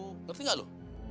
ngerti gak lu